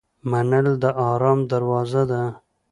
منل د آرام دروازه ده.